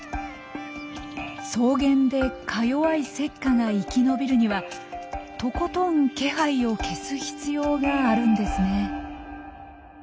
草原でかよわいセッカが生き延びるにはとことん気配を消す必要があるんですね。